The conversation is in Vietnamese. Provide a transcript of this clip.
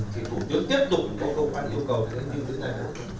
thì thủ tướng tiếp tục có câu quản yêu cầu những thứ này